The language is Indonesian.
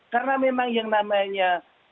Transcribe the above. karena memang yang namanya